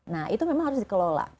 nah itu memang harus dikelola